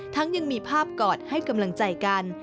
ยังมีภาพกอดให้กำลังใจกัน